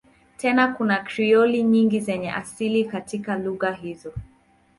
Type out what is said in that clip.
Tena kuna Krioli nyingi zenye asili katika lugha hizo.